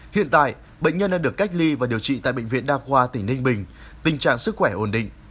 hiện tại bệnh nhân đã được cách ly và điều trị tại bệnh viện đa khoa tỉnh ninh bình tình trạng sức khỏe ổn định